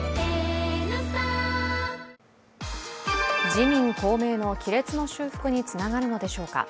自民・公明の亀裂の修復につながるのでしょうか。